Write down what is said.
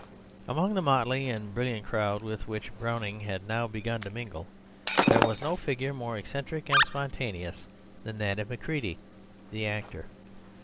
Among the motley and brilliant crowd with which Browning had now begun to mingle, there was no figure more eccentric and spontaneous than that of Macready the actor.